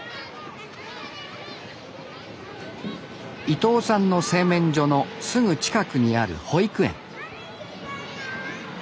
伊藤さんの製麺所のすぐ近くにある保育園。